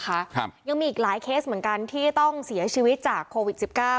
ครับยังมีอีกหลายเคสเหมือนกันที่ต้องเสียชีวิตจากโควิดสิบเก้า